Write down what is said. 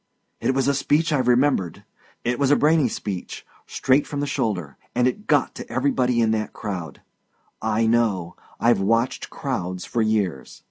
"It was a speech I've remembered. It was a brainy speech, straight from the shoulder, and it got to everybody in that crowd. I know. I've watched crowds for years."